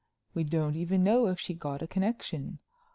We don't even know if she got a connection.